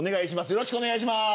よろしくお願いします。